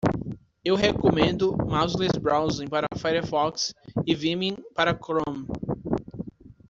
Eu recomendo Mouseless Browsing para Firefox e Vimium para Chrome.